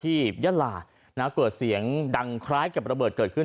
ยะลาเกิดเสียงดังคล้ายกับระเบิดเกิดขึ้น